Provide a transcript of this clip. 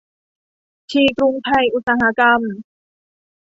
ที กรุงไทยอุตสาหกรรม